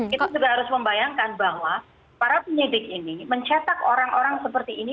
kita sudah harus membayangkan bahwa para penyidik ini mencetak orang orang seperti ini